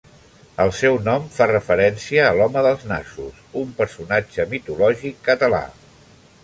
El seu nom fa referència a l'home dels nassos, un personatge mitològic català.